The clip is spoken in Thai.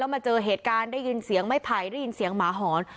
มาเจอเหตุการณ์ได้ยินเสียงไม้ไผ่ได้ยินเสียงหมาหอน